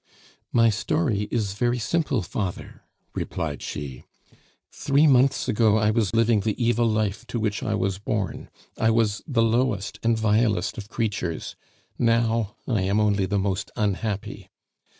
"My story is very simple, Father," replied she. "Three months ago I was living the evil life to which I was born. I was the lowest and vilest of creatures; now I am only the most unhappy.